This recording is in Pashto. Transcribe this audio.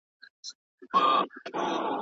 نالي دي پاکه ده.